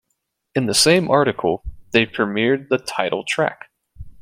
In the same article, they premiered the title track.